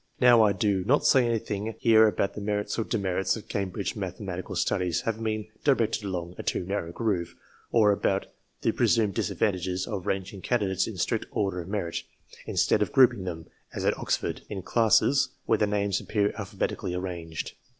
Now, I do not say anything here about the merits or demerits of Cambridge mathematical studies having been directed along a too narrow groove, or about the presumed disadvantages of ranging candidates in strict order of merit, instead of grouping them, as at Oxford, in classes, where their names appear alphabetically arranged.